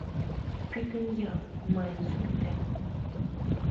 Пӱтынь ял — мыйын суртем...